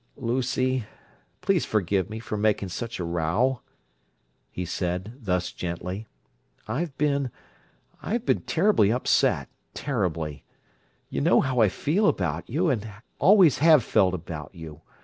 "Lucy, please forgive me for making such a row," he said, thus gently. "I've been—I've been terribly upset—terribly! You know how I feel about you, and always have felt about you.